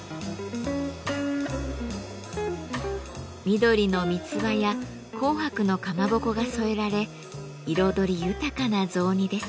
緑のみつばや紅白のかまぼこが添えられ彩り豊かな雑煮です。